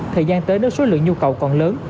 thời gian tới nếu số lượng nhu cầu còn lớn